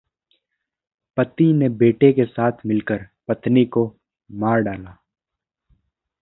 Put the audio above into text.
पति ने बेटे के साथ मिलकर पत्नी को मार डाला